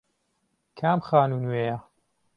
کام خانوو نوێیە؟